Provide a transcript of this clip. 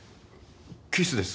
キキスです。